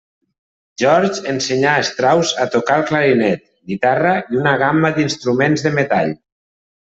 Georg ensenyà a Strauss a tocar el clarinet, guitarra i una gamma d'instruments de metall.